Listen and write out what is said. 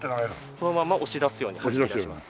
そのまま押し出すようにはじき出します。